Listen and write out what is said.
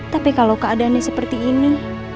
tapi kalau keadaannya seperti ini